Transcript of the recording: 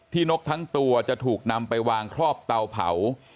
นกทั้งตัวจะถูกนำไปวางครอบเตาเผา